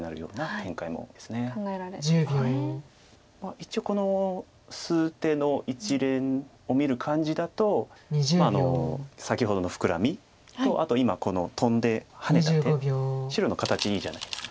一応この数手の一連を見る感じだと先ほどのフクラミとあと今このトンでハネた手白の形いいじゃないですか。